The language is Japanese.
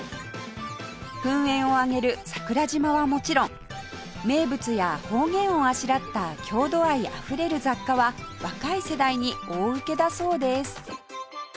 噴煙を上げる桜島はもちろん名物や方言をあしらった郷土愛あふれる雑貨は若い世代に大ウケだそうです